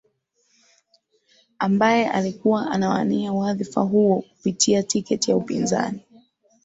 ambaye alikuwa anawania wadhifa huo kupitia tiketi ya upinzani